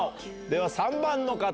では３番の方。